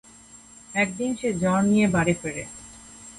একদিন সে জ্বর নিয়ে বাড়ি ফেরে।